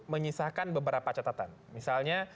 menyisakan beberapa catatan misalnya